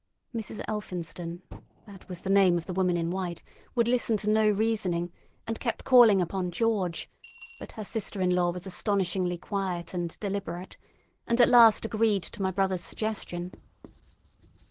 Mrs. Elphinstone—that was the name of the woman in white—would listen to no reasoning, and kept calling upon "George"; but her sister in law was astonishingly quiet and deliberate, and at last agreed to my brother's suggestion.